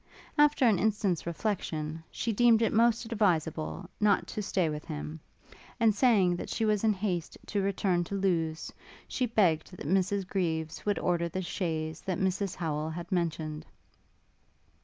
After an instant's reflection, she deemed it most advisable not to stay with him; and, saying that she was in haste to return to Lewes, she begged that Mrs Greaves would order the chaise that Mrs Howel had mentioned.